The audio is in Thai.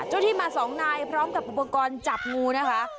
ที่มาสองนายพร้อมกับอุปกรณ์จับงูนะคะ